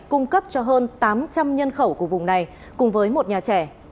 cung cấp cho hơn tám trăm linh nhân khẩu của vùng này cùng với một nhà trẻ